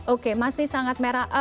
oke masih sangat merah